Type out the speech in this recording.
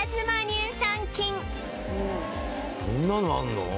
そんなのあんの？